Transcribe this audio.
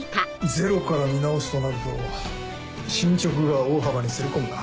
ゼロから見直すとなると進捗が大幅にずれ込むな。